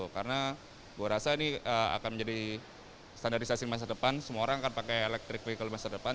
karena gue rasa ini akan menjadi standarisasi masa depan semua orang akan pakai elektrik vehicle masa depan